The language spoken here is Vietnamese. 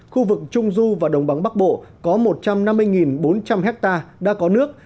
khu vực trung du và đồng bằng bắc bộ có một trăm năm mươi bốn trăm linh hectare đã có nước